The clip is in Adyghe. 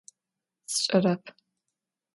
Sş'erep.